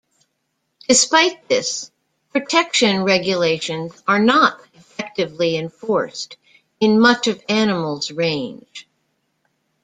Despite this, protection regulations are not effectively enforced in much of animals' range.